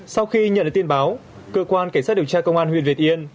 sau khi nhận được tin báo cơ quan cảnh sát điều tra công an huyện việt yên